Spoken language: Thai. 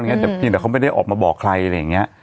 แต่เพียงแต่เขาไม่ได้ออกมาบอกใครอะไรอย่างนี้